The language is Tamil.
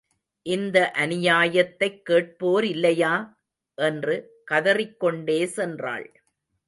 இந்த அநியாயத்தைக் கேட்போரில்லையா? என்று கதறிக் கொண்டே சென்றாள்.